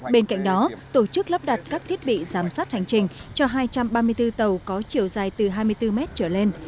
bên cạnh đó tổ chức lắp đặt các thiết bị giám sát hành trình cho hai trăm ba mươi bốn tàu có chiều dài từ hai mươi bốn mét trở lên